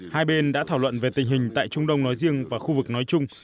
hai bên đã thảo luận về tình hình tại trung đông nói riêng và khu vực nói chung